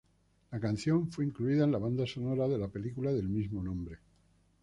La canción fue incluida en la banda sonora de la película del mismo nombre.